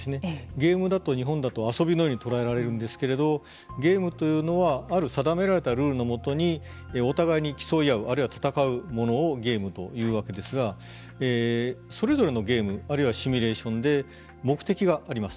ゲームだと日本だと遊びのように捉えられるんですけどゲームというのはある定められたルールのもとにお互いに競い合うあるいは戦うものをゲームと言うわけですがそれぞれのゲームあるいはシミュレーションで目的があります。